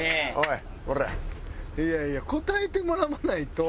いやいや答えてもらわないと。